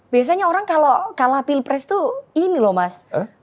biasanya orang kalau kalah pilpres itu ini loh mas